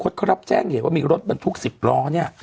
เขารับแจ้งเหตุว่ามีรถบรรทุก๑๐ล้อเนี่ย